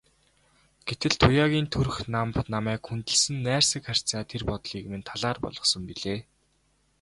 Гэтэл Туяагийн төрх намба, намайг хүндэлсэн найрсаг харьцаа тэр бодлыг минь талаар болгосон билээ.